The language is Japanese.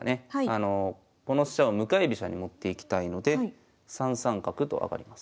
この飛車を向かい飛車に持っていきたいので３三角と上がります。